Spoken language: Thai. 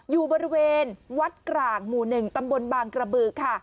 อยู่บริเวณวัดกลางหมู่๑ตำบลบางกระบือค่ะ